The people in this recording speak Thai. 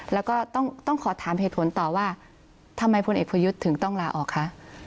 แล้วก็ต้องขอถามเหตุผลต่อว่าทำไมพลเอกประยุทธ์ถึงต้องลาออกคะ